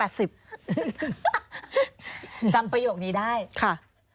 จำประโยคนี้ได้ค่ะ